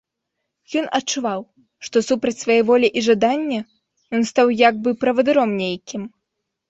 Ён адчуваў, што супроць свае волі і жадання ён стаў як бы правадыром нейкім.